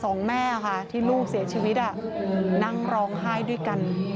สองแม่ค่ะที่ลูกเสียชีวิตนั่งร้องไห้ด้วยกัน